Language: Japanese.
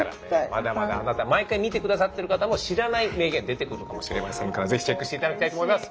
まだまだあなた毎回見て下さってる方も知らない名言出てくるかもしれませんからぜひチェックして頂きたいと思います。